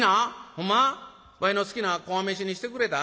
ほんま？わいの好きなこわ飯にしてくれた？